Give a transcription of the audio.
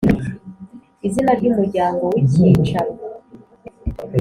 Izina ry Umuryango w Icyicaro